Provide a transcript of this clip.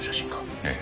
ええ。